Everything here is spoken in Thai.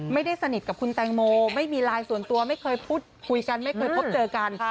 สนิทกับคุณแตงโมไม่มีไลน์ส่วนตัวไม่เคยพูดคุยกันไม่เคยพบเจอกัน